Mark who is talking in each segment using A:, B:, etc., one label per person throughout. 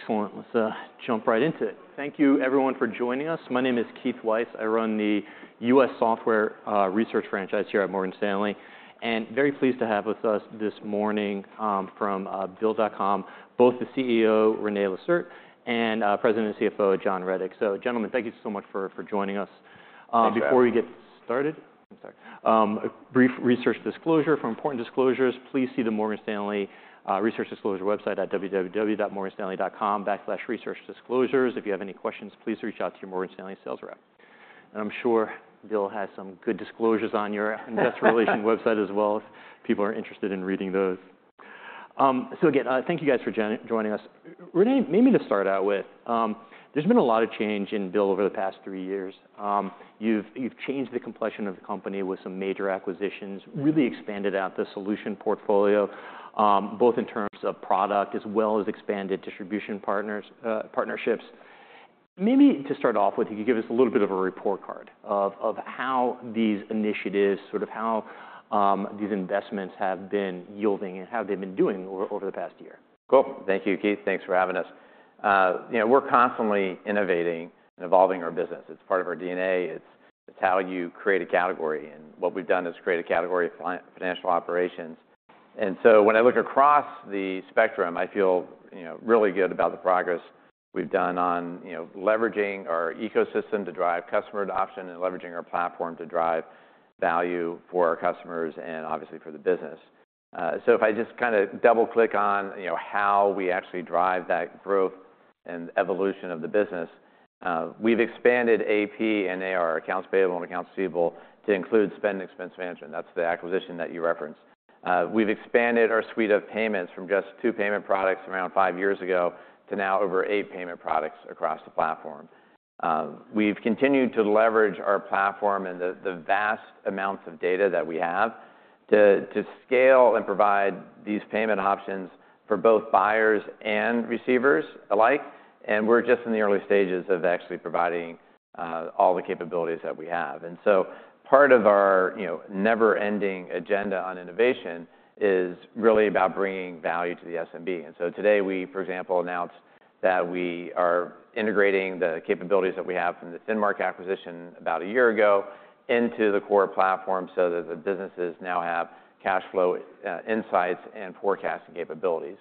A: Excellent. Let's jump right into it. Thank you, everyone, for joining us. My name is Keith Weiss. I run the U.S. software research franchise here at Morgan Stanley. Very pleased to have with us this morning, from Bill.com, both the CEO, René Lacerte, and President and CFO, John Rettig. Gentlemen, thank you so much for joining us.
B: Yeah.
A: Before we get started, I'm sorry, a brief research disclosure. For important disclosures, please see the Morgan Stanley research disclosure website at www.morganstanley.com/researchdisclosures. If you have any questions, please reach out to your Morgan Stanley sales rep. And I'm sure BILL has some good disclosures on your investor relations website as well if people are interested in reading those. So again, thank you guys for joining us. René, maybe to start out with, there's been a lot of change in BILL over the past three years. You've changed the complexion of the company with some major acquisitions, really expanded out the solution portfolio, both in terms of product as well as expanded distribution partners, partnerships. Maybe to start off with, if you could give us a little bit of a report card of how these initiatives, sort of how these investments have been yielding and how they've been doing over the past year.
B: Cool. Thank you, Keith. Thanks for having us. You know, we're constantly innovating and evolving our business. It's part of our DNA. It's, it's how you create a category. And what we've done is create a category of financial operations. And so when I look across the spectrum, I feel, you know, really good about the progress we've done on, you know, leveraging our ecosystem to drive customer adoption and leveraging our platform to drive value for our customers and, obviously, for the business. So if I just kinda double-click on, you know, how we actually drive that growth and evolution of the business, we've expanded AP and AR, Accounts Payable and Accounts Receivable, to include spend and expense management. That's the acquisition that you referenced. We've expanded our suite of payments from just 2 payment products around 5 years ago to now over 8 payment products across the platform. We've continued to leverage our platform and the, the vast amounts of data that we have to, to scale and provide these payment options for both buyers and receivers alike. And we're just in the early stages of actually providing all the capabilities that we have. And so part of our, you know, never-ending agenda on innovation is really about bringing value to the SMB. And so today, we, for example, announced that we are integrating the capabilities that we have from the Finmark acquisition about a year ago into the core platform so that the businesses now have cash flow insights and forecasting capabilities.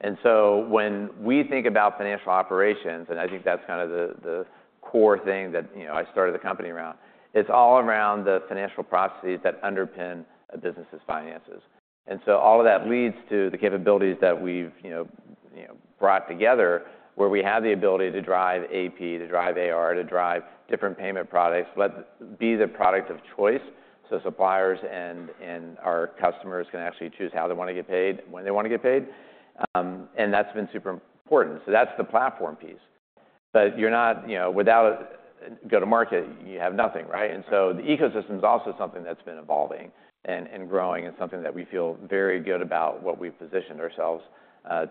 B: And so when we think about financial operations, and I think that's kinda the, the core thing that, you know, I started the company around, it's all around the financial processes that underpin a business's finances. And so all of that leads to the capabilities that we've, you know, you know, brought together where we have the ability to drive AP, to drive AR, to drive different payment products, let be the product of choice so suppliers and, and our customers can actually choose how they wanna get paid, when they wanna get paid. And that's been super important. So that's the platform piece. But you're not, you know, without a go-to-market, you have nothing, right? And so the ecosystem's also something that's been evolving and, and growing and something that we feel very good about what we've positioned ourselves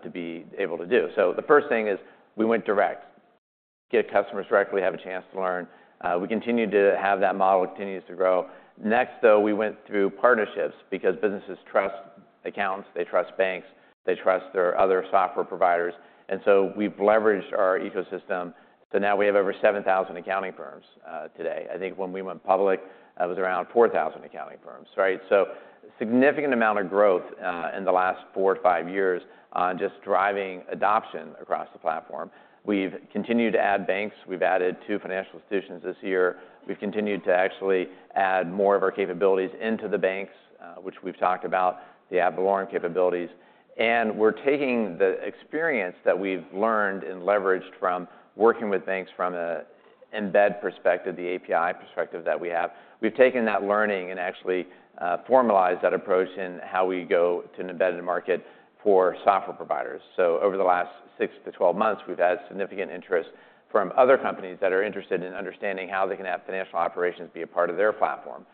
B: to be able to do. So the first thing is we went direct. Get customers directly, have a chance to learn. We continue to have that model, continues to grow. Next, though, we went through partnerships because businesses trust accounts. They trust banks. They trust their other software providers. So we've leveraged our ecosystem. So now we have over 7,000 accounting firms, today. I think when we went public, it was around 4,000 accounting firms, right? So significant amount of growth, in the last 4-5 years on just driving adoption across the platform. We've continued to add banks. We've added 2 financial institutions this year. We've continued to actually add more of our capabilities into the banks, which we've talked about, the ad valorem capabilities. And we're taking the experience that we've learned and leveraged from working with banks from an embedded perspective, the API perspective that we have. We've taken that learning and actually, formalized that approach in how we go to an embedded market for software providers. So over the last 6-12 months, we've had significant interest from other companies that are interested in understanding how they can have financial operations be a part of their platform.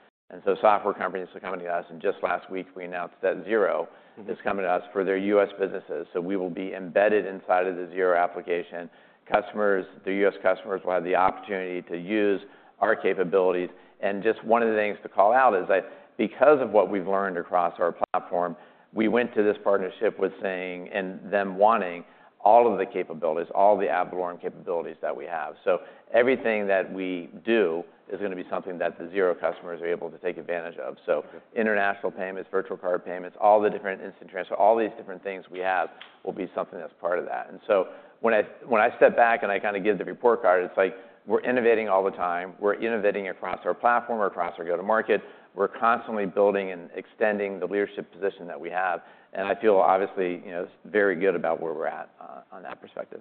B: So software companies are coming to us. And just last week, we announced that Xero is coming to us for their U.S. businesses. So we will be embedded inside of the Xero application. Customers, the U.S. customers, will have the opportunity to use our capabilities. And just one of the things to call out is that because of what we've learned across our platform, we went to this partnership with saying and them wanting all of the capabilities, all of the ad valorem capabilities that we have. So everything that we do is gonna be something that the Xero customers are able to take advantage of. So international payments, virtual card payments, all the different instant transfer, all these different things we have will be something that's part of that. And so when I step back and I kinda give the report card, it's like we're innovating all the time. We're innovating across our platform, across our go-to-market. We're constantly building and extending the leadership position that we have. And I feel, obviously, you know, very good about where we're at, on that perspective.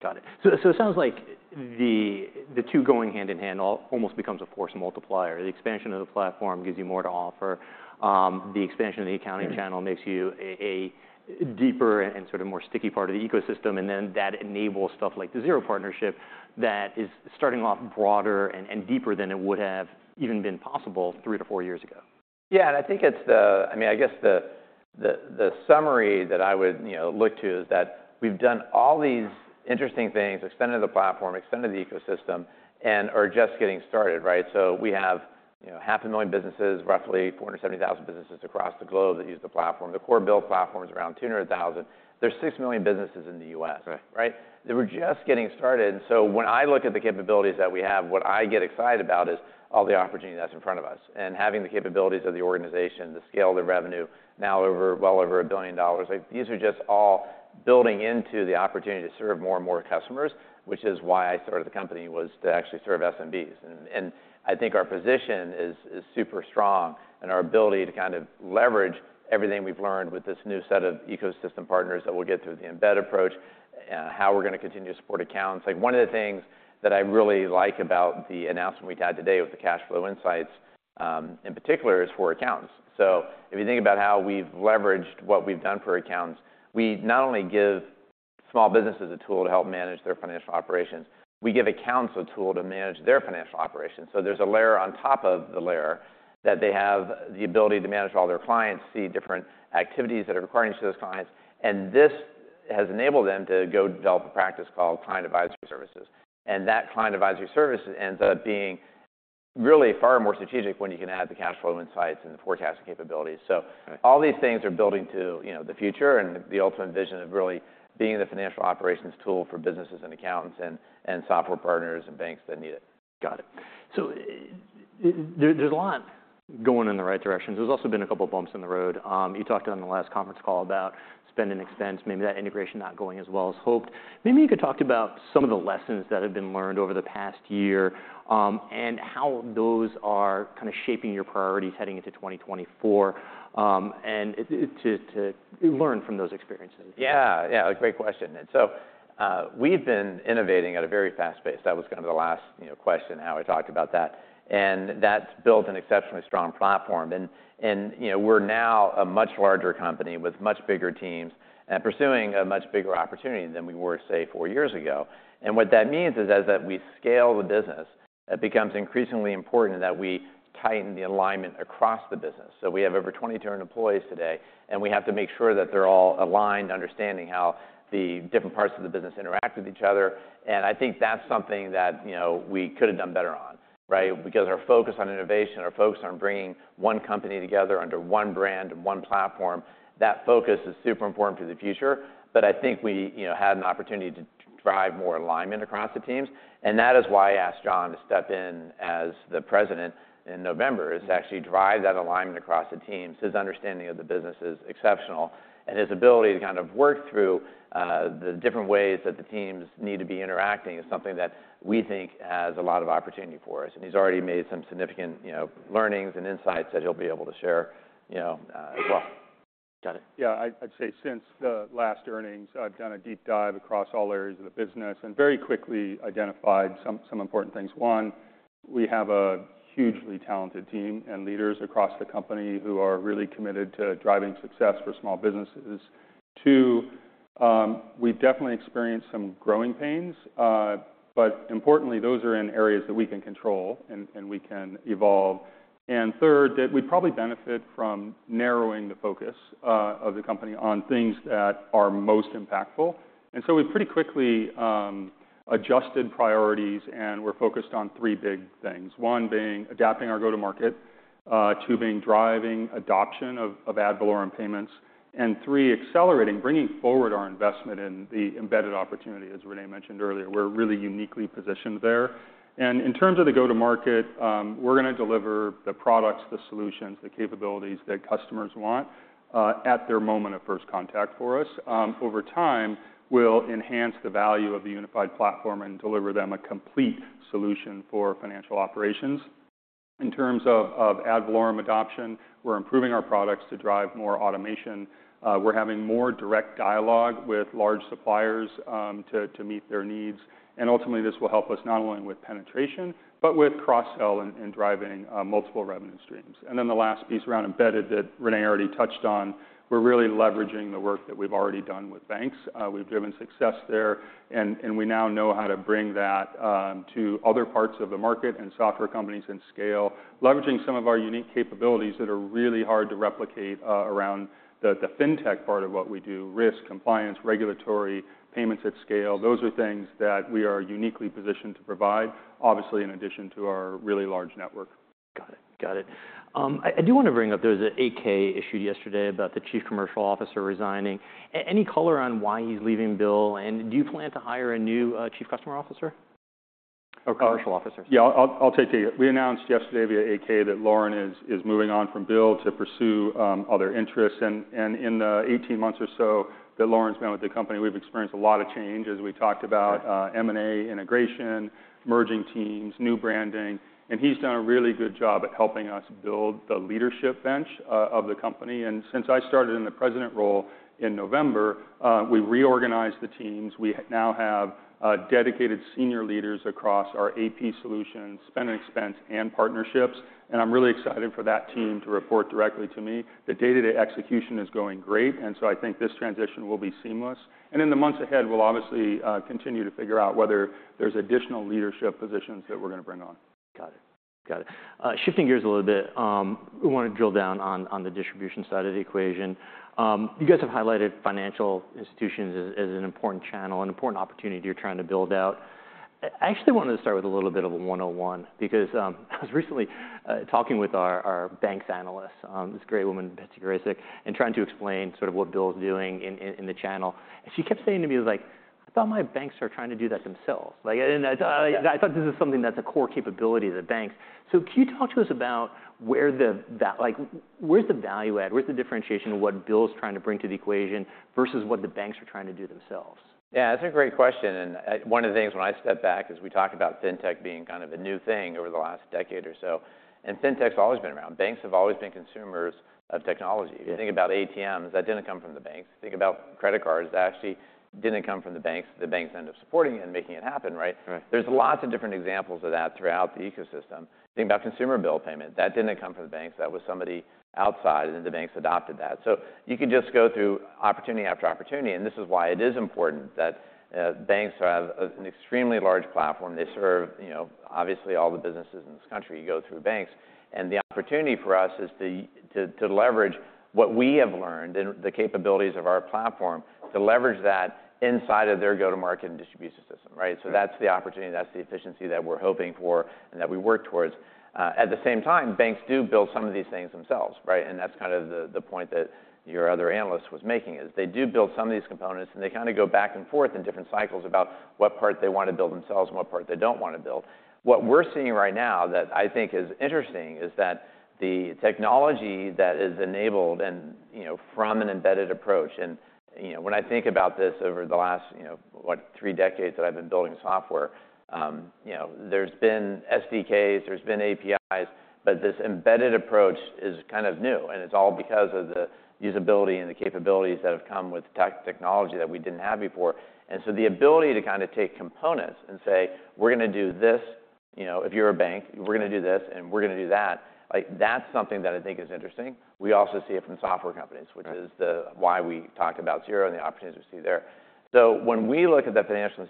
A: Got it. So it sounds like the two going hand in hand almost becomes a force multiplier. The expansion of the platform gives you more to offer. The expansion of the accounting channel makes you a deeper and sort of more sticky part of the ecosystem. And then that enables stuff like the Xero partnership that is starting off broader and deeper than it would have even been possible three to four years ago.
B: Yeah. And I think it's the—I mean, I guess the summary that I would, you know, look to is that we've done all these interesting things, extended the platform, extended the ecosystem, and are just getting started, right? So we have, you know, 500,000 businesses, roughly 470,000 businesses across the globe that use the platform. The core BILL platform's around 200,000. There's six million businesses in the U.S.
A: Right.
B: Right? That we're just getting started. So when I look at the capabilities that we have, what I get excited about is all the opportunity that's in front of us. And having the capabilities of the organization, the scale of the revenue, now well over $1 billion, like, these are just all building into the opportunity to serve more and more customers, which is why I started the company, was to actually serve SMBs. And I think our position is super strong and our ability to kind of leverage everything we've learned with this new set of ecosystem partners that we'll get through the embed approach, how we're gonna continue to support accounts. Like, one of the things that I really like about the announcement we've had today with the cash flow insights, in particular, is for accountants. So if you think about how we've leveraged what we've done for accountants, we not only give small businesses a tool to help manage their financial operations, we give accountants a tool to manage their financial operations. So there's a layer on top of the layer that they have the ability to manage all their clients, see different activities that are required in each of those clients. And that client advisory service ends up being really far more strategic when you can add the cash flow insights and the forecasting capabilities. So.
A: Right.
B: All these things are building to, you know, the future and the ultimate vision of really being the financial operations tool for businesses and accountants and, and software partners and banks that need it.
A: Got it. So there's a lot going in the right direction. There's also been a couple bumps in the road. You talked on the last conference call about spend and expense, maybe that integration not going as well as hoped. Maybe you could talk about some of the lessons that have been learned over the past year, and how those are kinda shaping your priorities heading into 2024, and to learn from those experiences.
B: Yeah. Yeah. Great question. And so, we've been innovating at a very fast pace. That was kinda the last, you know, question how I talked about that. And that's built an exceptionally strong platform. And, you know, we're now a much larger company with much bigger teams and pursuing a much bigger opportunity than we were, say, four years ago. And what that means is as that we scale the business, it becomes increasingly important that we tighten the alignment across the business. So we have over 2,200 employees today. And we have to make sure that they're all aligned, understanding how the different parts of the business interact with each other. And I think that's something that, you know, we could have done better on, right? Because our focus on innovation, our focus on bringing one company together under one brand and one platform, that focus is super important for the future. But I think we, you know, had an opportunity to drive more alignment across the teams. And that is why I asked John to step in as the President in November, is to actually drive that alignment across the teams. His understanding of the business is exceptional. And his ability to kind of work through, the different ways that the teams need to be interacting is something that we think has a lot of opportunity for us. And he's already made some significant, you know, learnings and insights that he'll be able to share, you know, as well.
A: Got it.
C: Yeah. I'd say since the last earnings, I've done a deep dive across all areas of the business and very quickly identified some important things. One, we have a hugely talented team and leaders across the company who are really committed to driving success for small businesses. Two, we've definitely experienced some growing pains, but importantly, those are in areas that we can control and we can evolve. And third, that we'd probably benefit from narrowing the focus of the company on things that are most impactful. And so we pretty quickly adjusted priorities and were focused on three big things. One being adapting our go-to-market, two being driving adoption of ad valorem payments, and three, accelerating, bringing forward our investment in the embedded opportunity, as René mentioned earlier. We're really uniquely positioned there. And in terms of the go-to-market, we're gonna deliver the products, the solutions, the capabilities that customers want, at their moment of first contact for us. Over time, we'll enhance the value of the unified platform and deliver them a complete solution for financial operations. In terms of ad valorem adoption, we're improving our products to drive more automation. We're having more direct dialogue with large suppliers, to meet their needs. And ultimately, this will help us not only with penetration but with cross-sell and driving multiple revenue streams. And then the last piece around embedded that René already touched on, we're really leveraging the work that we've already done with banks. We've driven success there. And we now know how to bring that to other parts of the market and software companies and scale, leveraging some of our unique capabilities that are really hard to replicate, around the fintech part of what we do, risk, compliance, regulatory, payments at scale. Those are things that we are uniquely positioned to provide, obviously, in addition to our really large network.
A: Got it. Got it. I do wanna bring up there was an 8-K issued yesterday about the Chief Commercial Officer resigning. Any color on why he's leaving BILL? And do you plan to hire a new chief customer officer?
C: Okay.
A: Commercial officer.
C: Yeah. I'll take to you. We announced yesterday via 8-K that Loren is moving on from BILL to pursue other interests. In the 18 months or so that Loren's been with the company, we've experienced a lot of change, as we talked about, M&A integration, merging teams, new branding. He's done a really good job at helping us build the leadership bench of the company. Since I started in the president role in November, we reorganized the teams. We now have dedicated senior leaders across our AP solutions, spend and expense, and partnerships. I'm really excited for that team to report directly to me that day-to-day execution is going great. I think this transition will be seamless. In the months ahead, we'll obviously continue to figure out whether there's additional leadership positions that we're gonna bring on.
A: Got it. Got it. Shifting gears a little bit, we wanna drill down on, on the distribution side of the equation. You guys have highlighted financial institutions as, as an important channel, an important opportunity you're trying to build out. I actually wanted to start with a little bit of a 101 because, I was recently, talking with our, our banks analyst, this great woman, Betsy Graseck, and trying to explain sort of what BILL's doing in, in, in the channel. And she kept saying to me, it was like, "I thought my banks are trying to do that themselves." Like, and I thought, I thought this is something that's a core capability of the banks. So can you talk to us about where the, where's the value add? Where's the differentiation of what BILL's trying to bring to the equation versus what the banks are trying to do themselves?
B: Yeah. That's a great question. And, one of the things when I step back is we talked about fintech being kind of a new thing over the last decade or so. And fintech's always been around. Banks have always been consumers of technology. If you think about ATMs, that didn't come from the banks. If you think about credit cards, that actually didn't come from the banks. The banks end up supporting it and making it happen, right?
C: Right.
B: There's lots of different examples of that throughout the ecosystem. Think about consumer bill payment. That didn't come from the banks. That was somebody outside, and then the banks adopted that. So you can just go through opportunity after opportunity. And this is why it is important that banks have an extremely large platform. They serve, you know, obviously, all the businesses in this country. You go through banks. And the opportunity for us is to leverage what we have learned and the capabilities of our platform to leverage that inside of their go-to-market and distribution system, right? So that's the opportunity. That's the efficiency that we're hoping for and that we work towards. At the same time, banks do build some of these things themselves, right? That's kind of the point that your other analyst was making is they do build some of these components, and they kinda go back and forth in different cycles about what part they wanna build themselves and what part they don't wanna build. What we're seeing right now that I think is interesting is that the technology that is enabled and, you know, from an embedded approach and, you know, when I think about this over the last, you know, what, three decades that I've been building software, you know, there's been SDKs. There's been APIs. But this embedded approach is kind of new. It's all because of the usability and the capabilities that have come with the technology that we didn't have before. The ability to kinda take components and say, "We're gonna do this," you know, "If you're a bank, we're gonna do this, and we're gonna do that," like, that's something that I think is interesting. We also see it from software companies, which is why we talk about Xero and the opportunities we see there. So when we look at the financial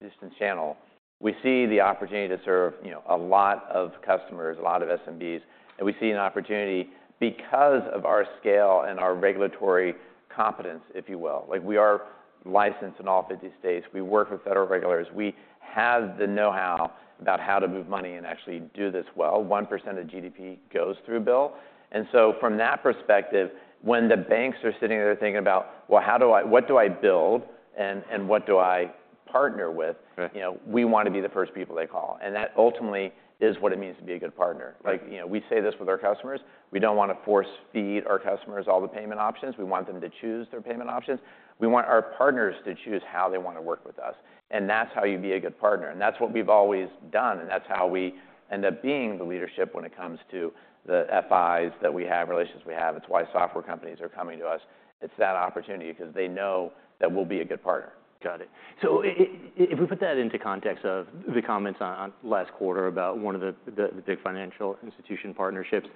B: institution channel, we see the opportunity to serve, you know, a lot of customers, a lot of SMBs. And we see an opportunity because of our scale and our regulatory competence, if you will. Like, we are licensed in all 50 states. We work with federal regulators. We have the know-how about how to move money and actually do this well 1% of GDP goes through BILL. And so from that perspective, when the banks are sitting there thinking about, "Well, how do I, what do I build and what do I partner with?
A: Right.
B: You know, we wanna be the first people they call. That ultimately is what it means to be a good partner.
A: Right.
B: Like, you know, we say this with our customers. We don't wanna force-feed our customers all the payment options. We want them to choose their payment options. We want our partners to choose how they wanna work with us. And that's how you be a good partner. And that's what we've always done. And that's how we end up being the leadership when it comes to the FIs that we have, relations we have. It's why software companies are coming to us. It's that opportunity 'cause they know that we'll be a good partner.
A: Got it. So if we put that into context of the comments on last quarter about one of the big financial institution partnerships,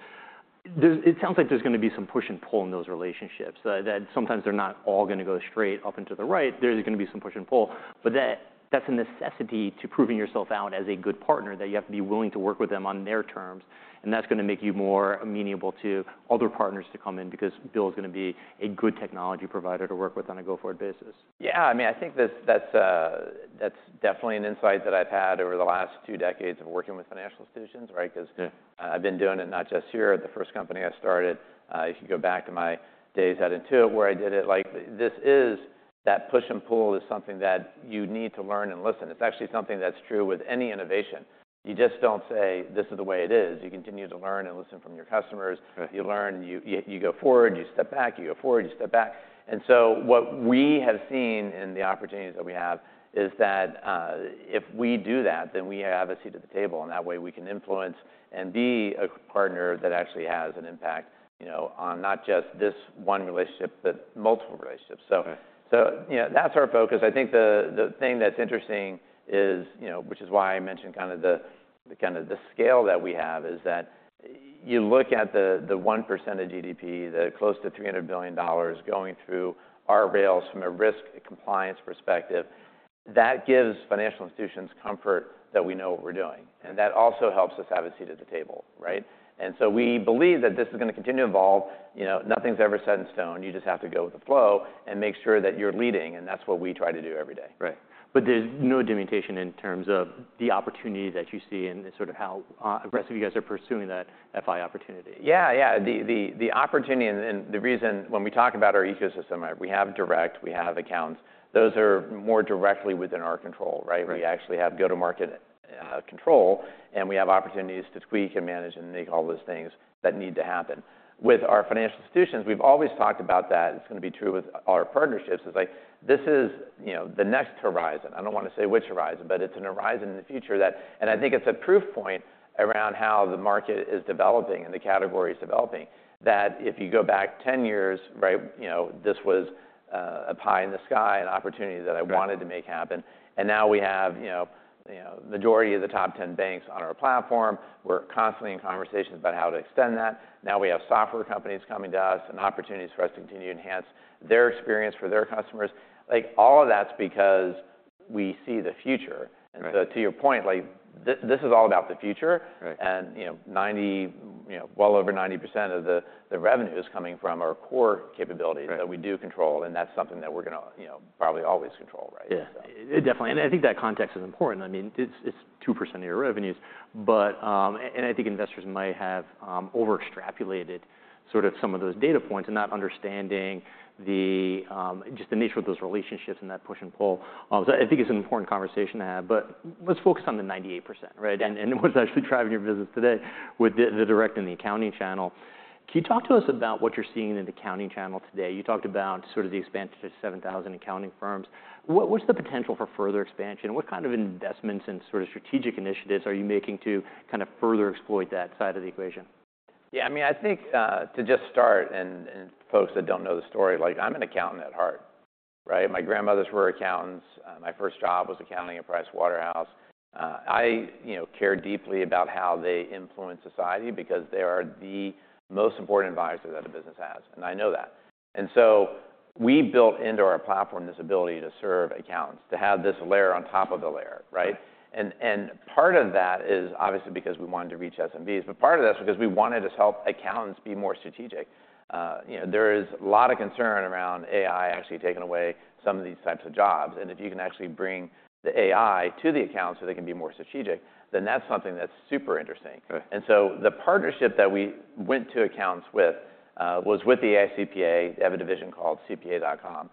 A: it sounds like there's gonna be some push and pull in those relationships. That sometimes they're not all gonna go straight up and to the right. There's gonna be some push and pull. But that's a necessity to proving yourself out as a good partner that you have to be willing to work with them on their terms. And that's gonna make you more amenable to other partners to come in because BILL's gonna be a good technology provider to work with on a go-forward basis.
B: Yeah. I mean, I think that's definitely an insight that I've had over the last two decades of working with financial institutions, right? 'Cause.
A: Yeah.
B: I've been doing it not just here. The first company I started, if you go back to my days at Intuit where I did it, like, this is that push and pull is something that you need to learn and listen. It's actually something that's true with any innovation. You just don't say, "This is the way it is." You continue to learn and listen from your customers.
A: Right.
B: You learn. You go forward. You step back. You go forward. You step back. And so what we have seen in the opportunities that we have is that, if we do that, then we have a seat at the table. And that way, we can influence and be a partner that actually has an impact, you know, on not just this one relationship but multiple relationships. So.
A: Right.
B: So, you know, that's our focus. I think the thing that's interesting is, you know, which is why I mentioned kinda the scale that we have is that you look at the 1% of GDP, the close to $300 billion going through our rails from a risk compliance perspective, that gives financial institutions comfort that we know what we're doing. And that also helps us have a seat at the table, right? And so we believe that this is gonna continue to evolve. You know, nothing's ever set in stone. You just have to go with the flow and make sure that you're leading. And that's what we try to do every day.
A: Right. But there's no diminution in terms of the opportunity that you see in sort of how aggressive you guys are pursuing that FI opportunity.
B: Yeah. Yeah. The opportunity and the reason when we talk about our ecosystem, right? We have direct. We have accounts. Those are more directly within our control, right?
C: Right.
B: We actually have go-to-market control. We have opportunities to tweak and manage and make all those things that need to happen. With our financial institutions, we've always talked about that. It's gonna be true with all our partnerships is, like, this is, you know, the next horizon. I don't wanna say which horizon, but it's a horizon in the future that and I think it's a proof point around how the market is developing and the category's developing that if you go back 10 years, right, you know, this was a pie in the sky, an opportunity that I wanted to make happen. Now we have, you know, you know, majority of the top 10 banks on our platform. We're constantly in conversations about how to extend that. Now we have software companies coming to us and opportunities for us to continue to enhance their experience for their customers. Like, all of that's because we see the future. And so.
C: Right.
B: To your point, like, this is all about the future.
C: Right.
B: And, you know, 90, you know, well over 90% of the revenue is coming from our core capabilities that we do control. And that's something that we're gonna, you know, probably always control, right?
C: Yeah.
B: So.
A: It definitely. And I think that context is important. I mean, it's, it's 2% of your revenues. But, and, and I think investors might have over-extrapolated sort of some of those data points and not understanding the, just the nature of those relationships and that push and pull. So I think it's an important conversation to have. But let's focus on the 98%, right? And, and what's actually driving your business today with the, the direct and the accounting channel. Can you talk to us about what you're seeing in the accounting channel today? You talked about sort of the expansion to 7,000 accounting firms. What, what's the potential for further expansion? What kind of investments and sort of strategic initiatives are you making to kinda further exploit that side of the equation?
B: Yeah. I mean, I think, to just start and, and folks that don't know the story, like, I'm an accountant at heart, right? My grandmothers were accountants. My first job was accounting at PricewaterhouseCoopers. I, you know, care deeply about how they influence society because they are the most important advisor that a business has. And I know that. And so we built into our platform this ability to serve accountants, to have this layer on top of the layer, right? And, and part of that is obviously because we wanted to reach SMBs. But part of that's because we wanted to help accountants be more strategic. You know, there is a lot of concern around AI actually taking away some of these types of jobs. And if you can actually bring the AI to the accountants so they can be more strategic, then that's something that's super interesting.
A: Right.
B: And so the partnership that we went to accountants with was with the AICPA. They have a division called CPA.com.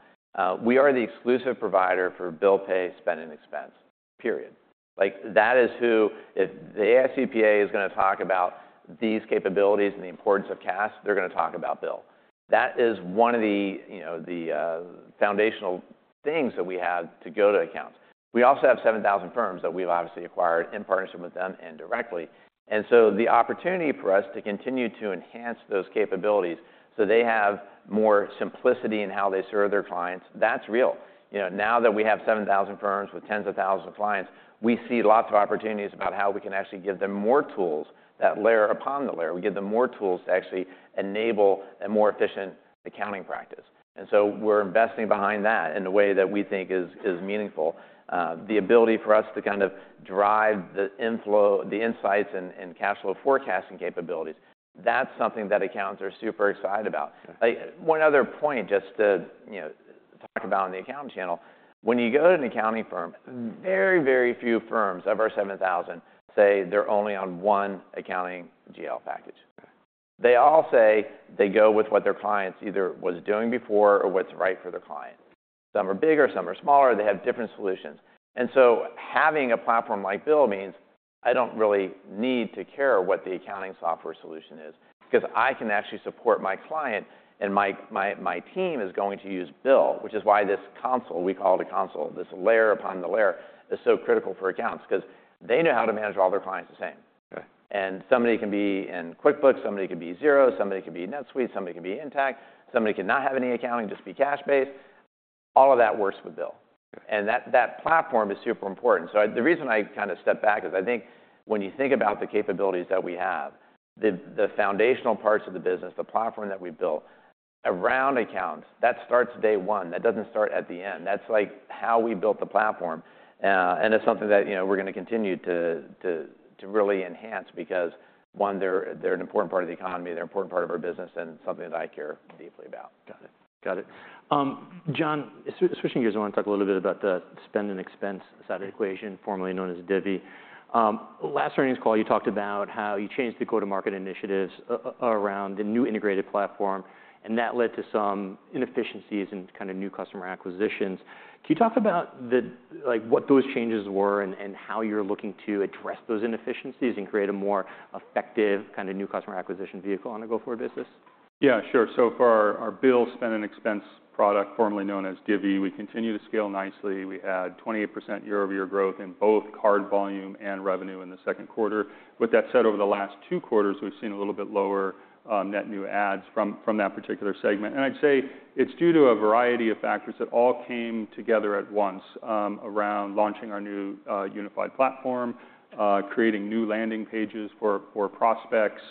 B: We are the exclusive provider for BILL pay, spend, and expense, period. Like, that is who if the AICPA is gonna talk about these capabilities and the importance of CAS, they're gonna talk about BILL. That is one of the, you know, the, foundational things that we have to go to accountants. We also have 7,000 firms that we've obviously acquired in partnership with them and directly. And so the opportunity for us to continue to enhance those capabilities so they have more simplicity in how they serve their clients, that's real. You know, now that we have 7,000 firms with tens of thousands of clients, we see lots of opportunities about how we can actually give them more tools that layer upon the layer. We give them more tools to actually enable a more efficient accounting practice. And so we're investing behind that in a way that we think is meaningful. The ability for us to kind of drive the inflow, the insights, and cash flow forecasting capabilities, that's something that accountants are super excited about.
A: Right.
B: Like, one other point just to, you know, talk about on the accounting channel, when you go to an accounting firm, very, very few firms of our 7,000 say they're only on one accounting GL package.
A: Right.
B: They all say they go with what their clients either was doing before or what's right for their client. Some are bigger. Some are smaller. They have different solutions. And so having a platform like BILL means I don't really need to care what the accounting software solution is 'cause I can actually support my client. And my team is going to use BILL, which is why this console we call it a console. This layer upon the layer is so critical for accountants 'cause they know how to manage all their clients the same.
A: Right.
B: Somebody can be in QuickBooks. Somebody can be Xero. Somebody can be NetSuite. Somebody can be Intacct. Somebody can not have any accounting, just be cash-based. All of that works with BILL.
A: Yeah.
B: And that platform is super important. So I, the reason I kinda step back is I think when you think about the capabilities that we have, the foundational parts of the business, the platform that we've built around accountants, that starts day one. That doesn't start at the end. That's, like, how we built the platform. It's something that, you know, we're gonna continue to really enhance because, one, they're an important part of the economy. They're an important part of our business and something that I care deeply about.
A: Got it. Got it. John, switching gears, I wanna talk a little bit about the spend and expense side of the equation, formerly known as Divvy. Last earnings call, you talked about how you changed the go-to-market initiatives around the new integrated platform. That led to some inefficiencies and kinda new customer acquisitions. Can you talk about, like, what those changes were and how you're looking to address those inefficiencies and create a more effective kinda new customer acquisition vehicle on a go-forward basis?
C: Yeah. Sure. So for our BILL Spend and Expense product, formerly known as Divvy, we continue to scale nicely. We had 28% year-over-year growth in both card volume and revenue in the second quarter. With that said, over the last two quarters, we've seen a little bit lower net new adds from that particular segment. And I'd say it's due to a variety of factors that all came together at once, around launching our new unified platform, creating new landing pages for prospects,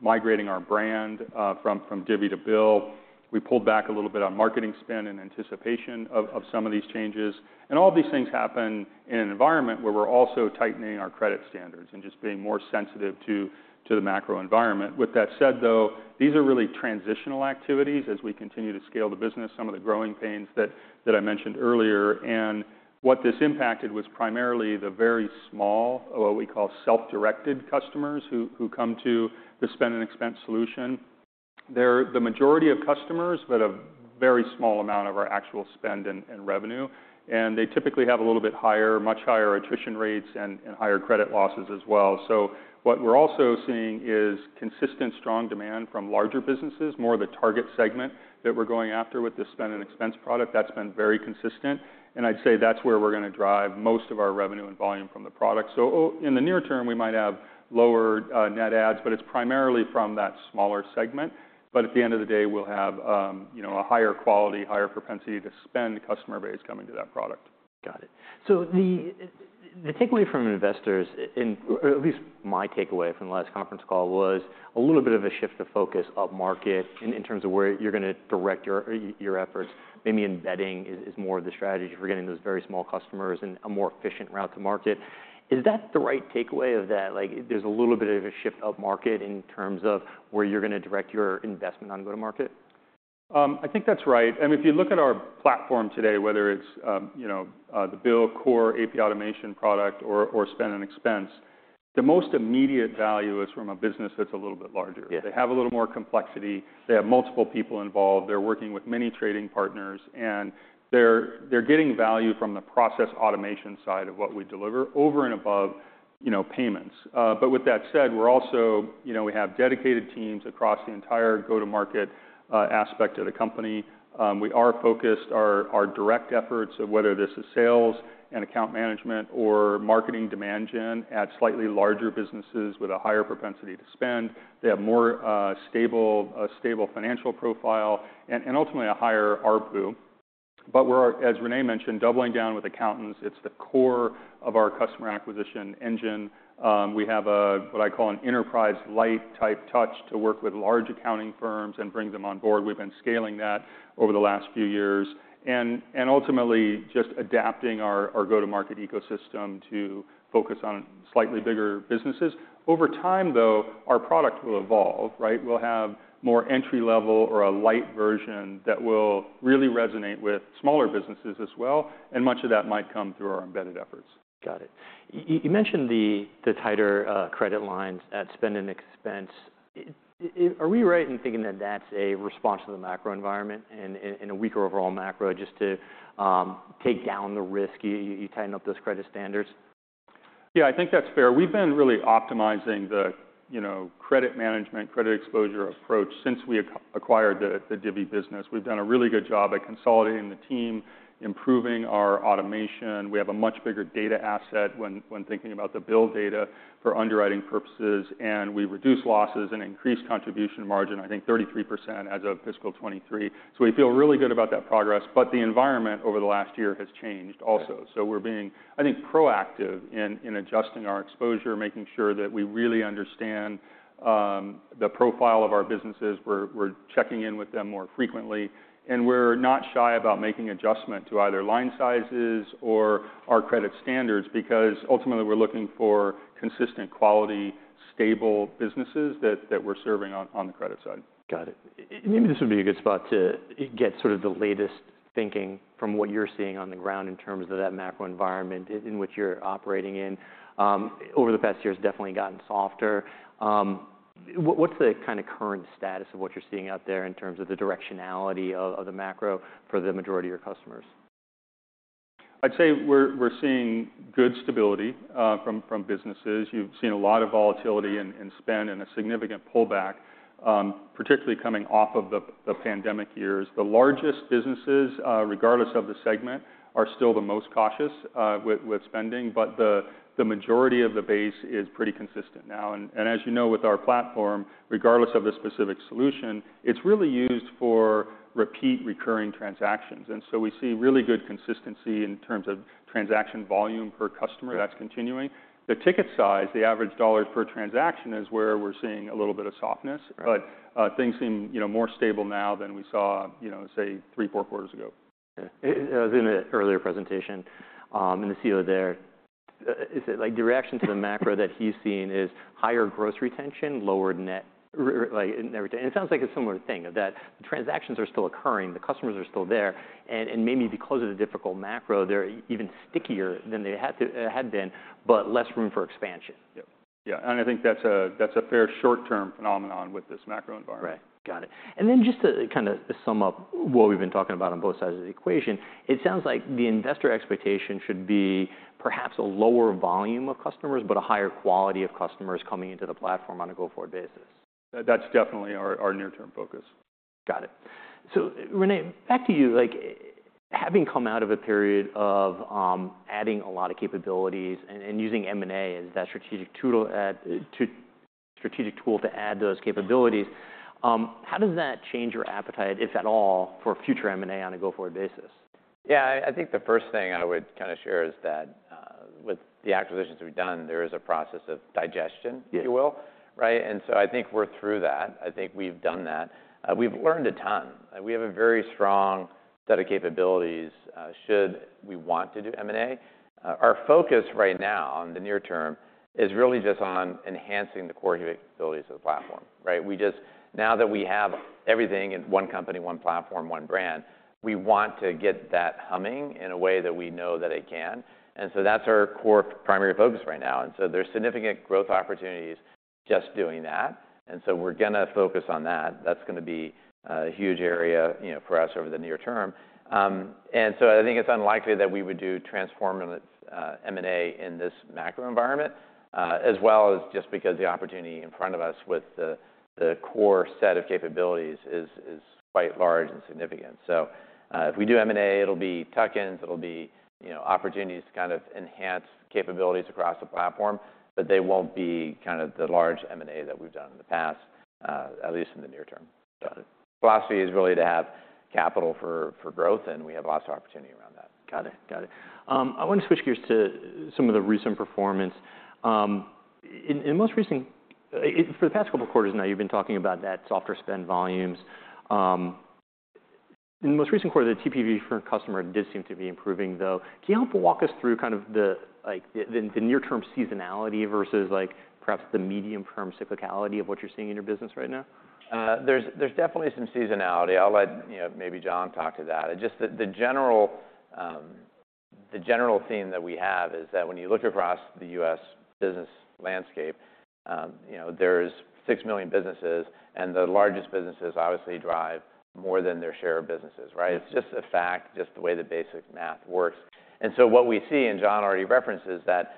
C: migrating our brand from Divvy to BILL. We pulled back a little bit on marketing spend in anticipation of some of these changes. And all of these things happen in an environment where we're also tightening our credit standards and just being more sensitive to the macro environment. With that said, though, these are really transitional activities as we continue to scale the business, some of the growing pains that I mentioned earlier. And what this impacted was primarily the very small, what we call self-directed customers who come to the Spend and Expense solution. They're the majority of customers but a very small amount of our actual spend and revenue. And they typically have a little bit higher, much higher attrition rates and higher credit losses as well. So what we're also seeing is consistent, strong demand from larger businesses, more of the target segment that we're going after with the Spend and Expense product. That's been very consistent. And I'd say that's where we're gonna drive most of our revenue and volume from the product. So, in the near term, we might have lower net ads, but it's primarily from that smaller segment. But at the end of the day, we'll have, you know, a higher quality, higher propensity to spend customer base coming to that product.
A: Got it. So the takeaway from investors in or at least my takeaway from the last conference call was a little bit of a shift of focus up market in terms of where you're gonna direct your efforts. Maybe embedding is more of the strategy for getting those very small customers and a more efficient route to market. Is that the right takeaway of that? Like, there's a little bit of a shift up market in terms of where you're gonna direct your investment on go-to-market?
C: I think that's right. And if you look at our platform today, whether it's, you know, the BILL core AP automation product or spend and expense, the most immediate value is from a business that's a little bit larger.
A: Yeah.
C: They have a little more complexity. They have multiple people involved. They're working with many trading partners. And they're getting value from the process automation side of what we deliver over and above, you know, payments. But with that said, we're also you know, we have dedicated teams across the entire go-to-market aspect of the company. We are focused our direct efforts of whether this is sales and account management or marketing demand gen at slightly larger businesses with a higher propensity to spend. They have more stable financial profile and ultimately a higher RPO. But we're, as René mentioned, doubling down with accountants. It's the core of our customer acquisition engine. We have a what I call an enterprise light-type touch to work with large accounting firms and bring them on board. We've been scaling that over the last few years and ultimately just adapting our go-to-market ecosystem to focus on slightly bigger businesses. Over time, though, our product will evolve, right? We'll have more entry-level or a light version that will really resonate with smaller businesses as well. Much of that might come through our embedded efforts.
A: Got it. You mentioned the tighter credit lines at spend and expense. Are we right in thinking that that's a response to the macro environment and a weaker overall macro just to take down the risk you tighten up those credit standards?
C: Yeah. I think that's fair. We've been really optimizing the, you know, credit management, credit exposure approach since we acquired the Divvy business. We've done a really good job at consolidating the team, improving our automation. We have a much bigger data asset when thinking about the BILL data for underwriting purposes. And we reduce losses and increase contribution margin, I think, 33% as of fiscal 2023. So we feel really good about that progress. But the environment over the last year has changed also. So we're being, I think, proactive in adjusting our exposure, making sure that we really understand the profile of our businesses. We're checking in with them more frequently. And we're not shy about making adjustments to either line sizes or our credit standards because ultimately, we're looking for consistent, quality, stable businesses that we're serving on the credit side.
A: Got it. It maybe this would be a good spot to get sort of the latest thinking from what you're seeing on the ground in terms of that macro environment in which you're operating in. Over the past year, it's definitely gotten softer. What's the kinda current status of what you're seeing out there in terms of the directionality of the macro for the majority of your customers?
C: I'd say we're seeing good stability from businesses. You've seen a lot of volatility in spend and a significant pullback, particularly coming off of the pandemic years. The largest businesses, regardless of the segment, are still the most cautious with spending. But the majority of the base is pretty consistent now. And as you know, with our platform, regardless of the specific solution, it's really used for repeat, recurring transactions. And so we see really good consistency in terms of transaction volume per customer that's continuing. The ticket size, the average dollars per transaction, is where we're seeing a little bit of softness.
A: Right.
C: But, things seem, you know, more stable now than we saw, you know, say, three, four quarters ago.
A: Yeah. I was in the earlier presentation, and the CEO there, is it like, the reaction to the macro that he's seeing is higher gross retention, lowered net retention. It sounds like a similar thing that the transactions are still occurring. The customers are still there. And maybe because of the difficult macro, they're even stickier than they had been but less room for expansion.
C: Yep. Yeah. I think that's a fair short-term phenomenon with this macro environment.
A: Right. Got it. And then just to kinda sum up what we've been talking about on both sides of the equation, it sounds like the investor expectation should be perhaps a lower volume of customers but a higher quality of customers coming into the platform on a go-forward basis.
C: That's definitely our near-term focus.
A: Got it. So, René, back to you. Like, having come out of a period of adding a lot of capabilities and using M&A as that strategic tool to add those capabilities, how does that change your appetite, if at all, for future M&A on a go-forward basis?
B: Yeah. I think the first thing I would kinda share is that, with the acquisitions we've done, there is a process of digestion, if you will.
A: Yeah.
B: Right? And so I think we're through that. I think we've done that. We've learned a ton. We have a very strong set of capabilities, should we want to do M&A. Our focus right now on the near term is really just on enhancing the core capabilities of the platform, right? We just know that we have everything in one company, one platform, one brand. We want to get that humming in a way that we know that it can. And so that's our core primary focus right now. And so there's significant growth opportunities just doing that. And so we're gonna focus on that. That's gonna be a huge area, you know, for us over the near term. and so I think it's unlikely that we would do transformative M&A in this macro environment, as well as just because the opportunity in front of us with the core set of capabilities is quite large and significant. So, if we do M&A, it'll be tuck-ins. It'll be, you know, opportunities to kind of enhance capabilities across the platform. But they won't be kinda the large M&A that we've done in the past, at least in the near term.
A: Got it.
B: Philosophy is really to have capital for growth. We have lots of opportunity around that.
A: Got it. Got it. I wanna switch gears to some of the recent performance. In the most recent, for the past couple quarters now, you've been talking about that softer spend volumes. In the most recent quarter, the TPV for customer did seem to be improving, though. Can you help walk us through kind of like the near-term seasonality versus like perhaps the medium-term cyclicality of what you're seeing in your business right now?
B: There's definitely some seasonality. I'll let you know, maybe John talk to that. It's just the general theme that we have is that when you look across the U.S. business landscape, you know, there's six million businesses. And the largest businesses obviously drive more than their share of businesses, right? It's just a fact, just the way the basic math works. And so what we see and John already referenced is that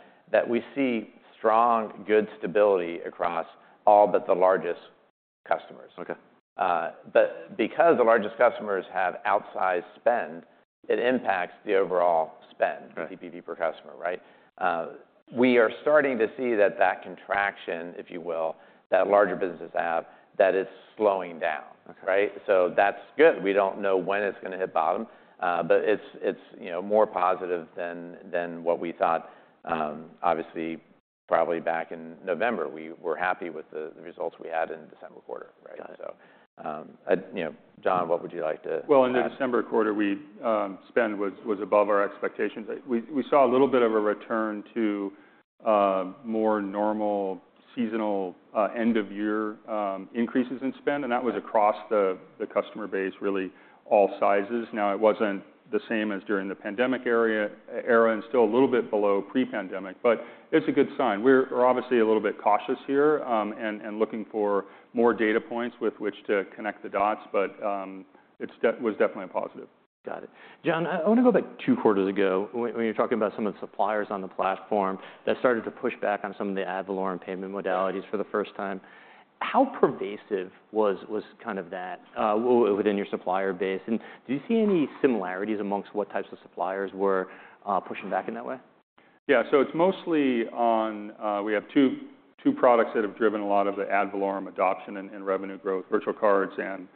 B: we see strong, good stability across all but the largest customers.
A: Okay.
B: But because the largest customers have outsized spend, it impacts the overall spend.
A: Right.
B: The TPV per customer, right? We are starting to see that that contraction, if you will, that larger businesses have, that it's slowing down.
A: Okay.
B: Right? So that's good. We don't know when it's gonna hit bottom, but it's, you know, more positive than what we thought, obviously, probably back in November. We were happy with the results we had in December quarter, right?
A: Got it.
B: You know, John, what would you like to?
C: Well, in the December quarter, spend was above our expectations. We saw a little bit of a return to more normal seasonal end-of-year increases in spend. And that was across the customer base, really all sizes. Now, it wasn't the same as during the pandemic era and still a little bit below pre-pandemic. But it's a good sign. We're obviously a little bit cautious here, and looking for more data points with which to connect the dots. But it was definitely a positive.
A: Got it. John, I wanna go back two quarters ago when you were talking about some of the suppliers on the platform that started to push back on some of the ad valorem and payment modalities for the first time. How pervasive was kind of that within your supplier base? And do you see any similarities among what types of suppliers were pushing back in that way?
C: Yeah. So it's mostly on, we have two products that have driven a lot of the ad valorem and adoption and, and revenue growth, virtual cards and,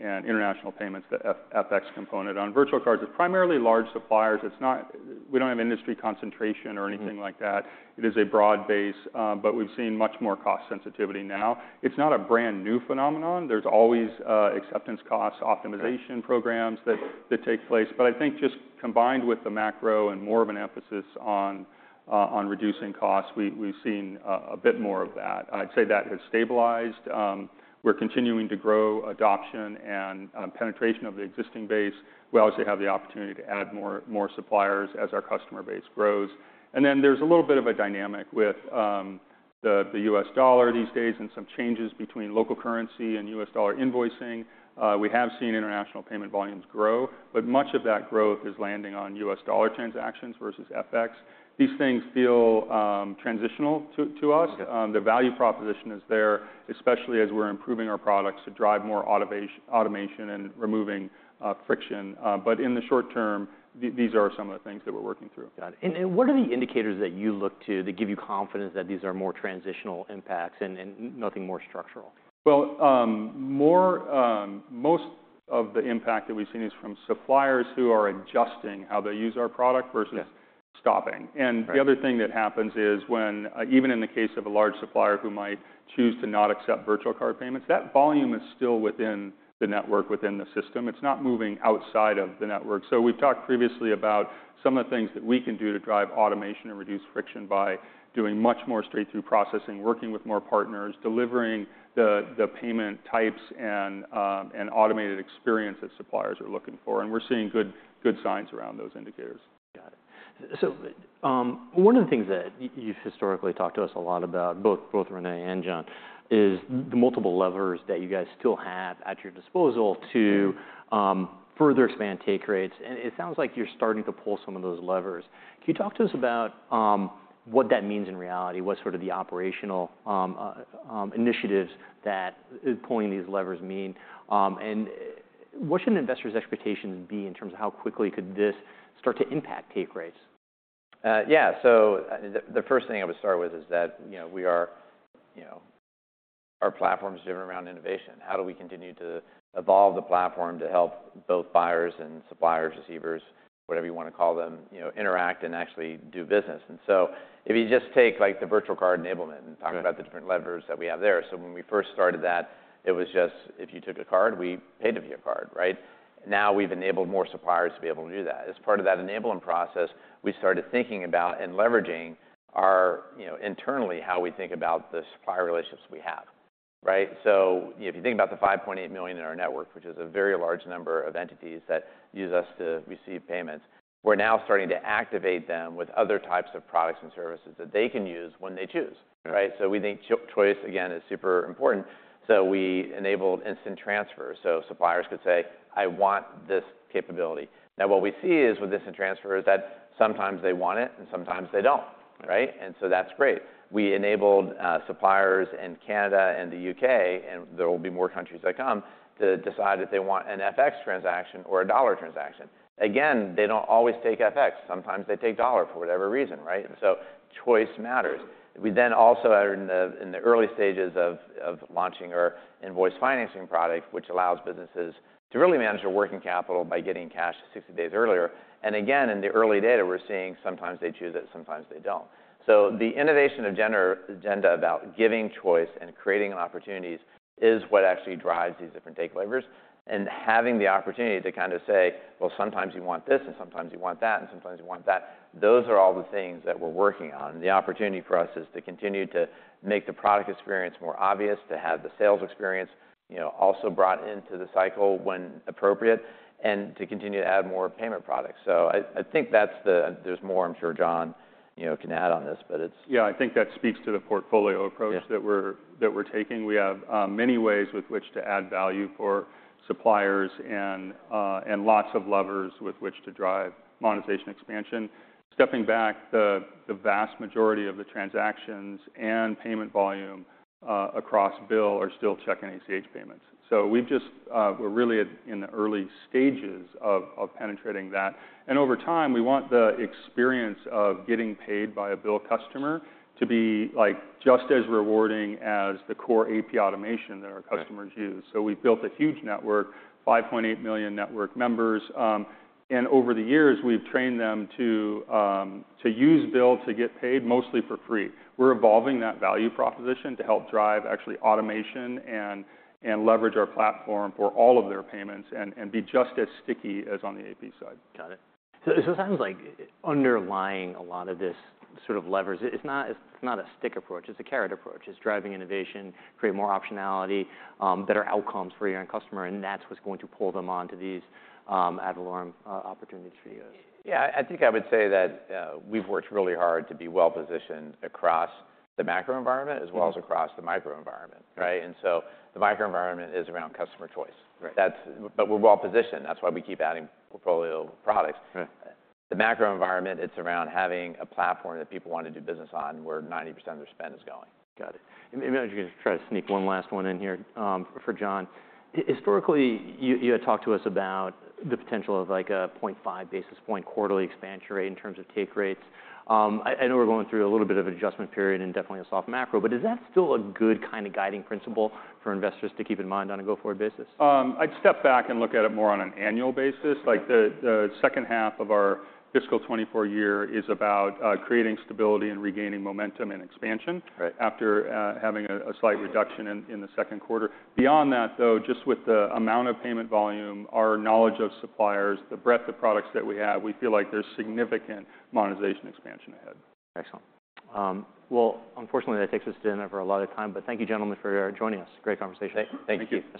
C: and international payments, the FX component. On virtual cards, it's primarily large suppliers. It's not we don't have industry concentration or anything like that. It is a broad base. But we've seen much more cost sensitivity now. It's not a brand new phenomenon. There's always, acceptance costs, optimization programs that, that take place. But I think just combined with the macro and more of an emphasis on, on reducing costs, we, we've seen, a bit more of that. I'd say that has stabilized. We're continuing to grow adoption and, penetration of the existing base. We obviously have the opportunity to add more, more suppliers as our customer base grows. And then there's a little bit of a dynamic with the US dollar these days and some changes between local currency and US dollar invoicing. We have seen international payment volumes grow. But much of that growth is landing on US dollar transactions versus FX. These things feel transitional to us.
A: Yeah.
C: The value proposition is there, especially as we're improving our products to drive more automation and removing friction. But in the short term, these are some of the things that we're working through.
A: Got it. And, and what are the indicators that you look to that give you confidence that these are more transitional impacts and, and nothing more structural?
C: Well, most of the impact that we've seen is from suppliers who are adjusting how they use our product versus.
A: Yes.
C: Stopping. And the other thing that happens is when, even in the case of a large supplier who might choose to not accept virtual card payments, that volume is still within the network, within the system. It's not moving outside of the network. So we've talked previously about some of the things that we can do to drive automation and reduce friction by doing much more straight-through processing, working with more partners, delivering the, the payment types and, and automated experience that suppliers are looking for. And we're seeing good, good signs around those indicators.
A: Got it. So, one of the things that you've historically talked to us a lot about, both René and John, is the multiple levers that you guys still have at your disposal to further expand take rates. And it sounds like you're starting to pull some of those levers. Can you talk to us about what that means in reality, what sort of the operational initiatives that pulling these levers mean? And what should investors' expectations be in terms of how quickly could this start to impact take rates?
B: Yeah. So the first thing I would start with is that, you know, we are, you know, our platform's driven around innovation. How do we continue to evolve the platform to help both buyers and suppliers, receivers, whatever you wanna call them, you know, interact and actually do business? And so if you just take, like, the Virtual Card enablement and talk about the different levers that we have there. So when we first started that, it was just if you took a card, we paid via card, right? Now, we've enabled more suppliers to be able to do that. As part of that enabling process, we started thinking about and leveraging our, you know, internally how we think about the supplier relationships we have, right? So, you know, if you think about the 5.8 million in our network, which is a very large number of entities that use us to receive payments, we're now starting to activate them with other types of products and services that they can use when they choose, right?
A: Right.
B: So we think choice, again, is super important. So we enabled instant transfer. So suppliers could say, "I want this capability." Now, what we see is with instant transfer is that sometimes they want it and sometimes they don't, right? And so that's great. We enabled suppliers in Canada and the U.K., and there will be more countries that come, to decide if they want an FX transaction or a dollar transaction. Again, they don't always take FX. Sometimes they take dollar for whatever reason, right? So choice matters. We then also are in the early stages of launching our Invoice Financing product, which allows businesses to really manage their working capital by getting cash 60 days earlier. And again, in the early data, we're seeing sometimes they choose it, sometimes they don't. So the innovation of agenda about giving choice and creating opportunities is what actually drives these different take levers. And having the opportunity to kinda say, "Well, sometimes you want this and sometimes you want that and sometimes you want that," those are all the things that we're working on. And the opportunity for us is to continue to make the product experience more obvious, to have the sales experience, you know, also brought into the cycle when appropriate, and to continue to add more payment products. So I think there's more, I'm sure, John, you know, can add on this. But it's.
C: Yeah. I think that speaks to the portfolio approach that we're.
A: Yeah.
C: That we're taking. We have many ways with which to add value for suppliers and lots of levers with which to drive monetization expansion. Stepping back, the vast majority of the transactions and payment volume across BILL are still check and ACH payments. So we're really at the early stages of penetrating that. And over time, we want the experience of getting paid by a BILL customer to be, like, just as rewarding as the core AP automation that our customers use. So we've built a huge network, 5.8 million network members. And over the years, we've trained them to use BILL to get paid mostly for free. We're evolving that value proposition to help drive actually automation and leverage our platform for all of their payments and be just as sticky as on the AP side.
A: Got it. So it sounds like underlying a lot of this sort of levers, it's not a stick approach. It's a carrot approach. It's driving innovation, create more optionality, better outcomes for your end customer. And that's what's going to pull them onto these ad valorem opportunities for you guys.
B: Yeah. I think I would say that, we've worked really hard to be well-positioned across the macro environment as well as across the micro environment, right? The micro environment is around customer choice.
A: Right.
B: We're well-positioned. That's why we keep adding portfolio products.
A: Right.
B: The macro environment, it's around having a platform that people wanna do business on where 90% of their spend is going.
A: Got it. I imagine you're gonna try to sneak one last one in here, for John. Historically, you had talked to us about the potential of, like, a 0.5 basis point quarterly expansion rate in terms of take rates. I know we're going through a little bit of an adjustment period and definitely a soft macro. But is that still a good kinda guiding principle for investors to keep in mind on a go-forward basis?
C: I'd step back and look at it more on an annual basis. Right? Like, the second half of our fiscal 2024 year is about creating stability and regaining momentum and expansion.
A: Right.
C: After having a slight reduction in the second quarter. Beyond that, though, just with the amount of payment volume, our knowledge of suppliers, the breadth of products that we have, we feel like there's significant monetization expansion ahead.
A: Excellent. Well, unfortunately, that takes us to the end of our allotted time. But thank you, gentlemen, for joining us. Great conversation. Thank you.
B: Thank you.